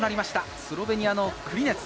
スロベニアのクリネツ。